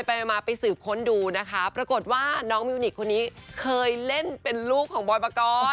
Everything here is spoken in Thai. ไปมาไปสืบค้นดูนะคะปรากฏว่าน้องมิวนิกคนนี้เคยเล่นเป็นลูกของบอยปกรณ์